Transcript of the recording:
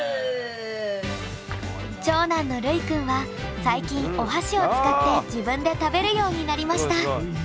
長男のルイくんは最近お箸を使って自分で食べるようになりました。